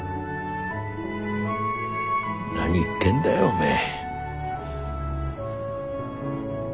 何言ってんだよおめえ。